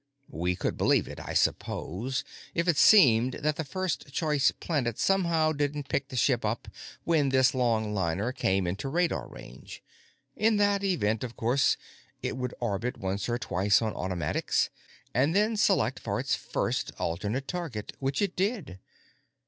We could believe it, I suppose, if it seemed that the first choice planet somehow didn't pick the ship up when this longliner came into radar range. In that event, of course, it would orbit once or twice on automatics, and then select for its first alternate target—which it did.